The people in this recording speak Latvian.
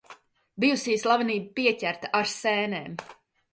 Bijusī slavenība pieķerta ar sēnēm.